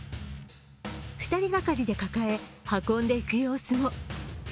２人がかりで抱え運んでいく様子も。